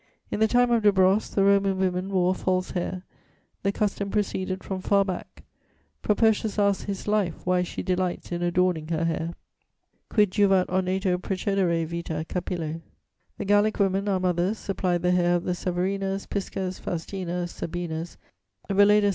In the time of De Brosses, the Roman women wore false hair; the custom proceeded from far back; Propertius asks his "life" why she delights in adorning her hair: Quid juvat ornato precedere, vita, capillo? The Gallic women, our mothers, supplied the hair of the Severinas, Piscas, Faustinas, Sabinas.